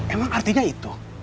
emang artinya itu